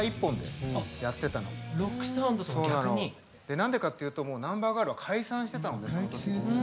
何でかっていうともうナンバーガールは解散してたの。